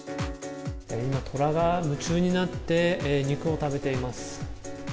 今、トラが夢中になって肉を食べています。